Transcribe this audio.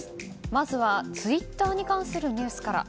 まずはツイッターに関するニュースから。